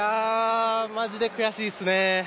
マジで悔しいですね。